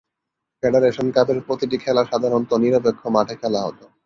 Federation কাপের প্রতিটি খেলা সাধারণত নিরপেক্ষ মাঠে খেলা হত।